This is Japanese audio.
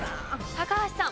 高橋さん。